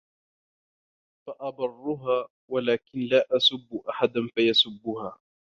فَأَبَرُّهَا ، وَلَكِنْ لَا أَسُبُّ أَحَدًا فَيَسُبُّهَا